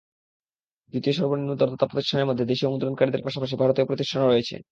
দ্বিতীয় সর্বনিম্ন দরদাতা প্রতিষ্ঠানের মধ্যে দেশীয় মুদ্রণকারীদের পাশাপাশি ভারতীয় প্রতিষ্ঠানও রয়েছে।